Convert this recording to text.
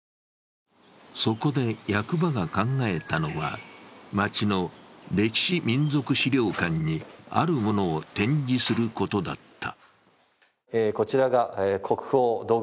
そこで役場が考えたのは、町の歴史民俗資料館にあるものを展示することだった。